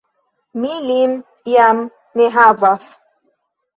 Mi lin jam ne havas!